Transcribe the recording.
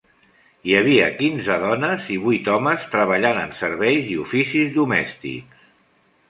Hi havia quinze dones i vuit homes treballant en serveis i oficis domèstics.